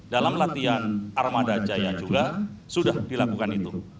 dalam latihan armada jaya juga sudah dilakukan itu